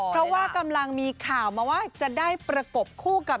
เพราะว่ากำลังมีข่าวมาว่าจะได้ประกบคู่กับ